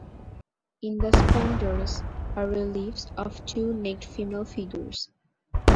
In the spandrels are reliefs of two naked female figures.